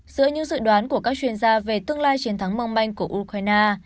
giữa những dự đoán của các chuyên gia về tương lai chiến thắng mong manh của ukraine